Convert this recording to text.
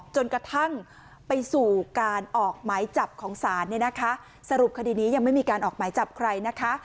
จนกระทั่งไปสู่การออกหมายจับของศาลเนี่ยนะคะสรุปคดีนี้ยังไม่มีการออกหมายจับใครนะคะ